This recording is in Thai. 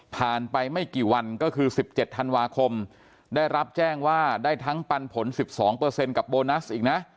ไปไม่กี่วันก็คือ๑๗ธันวาคมได้รับแจ้งว่าได้ทั้งปันผล๑๒กับโบนัสอีกนะ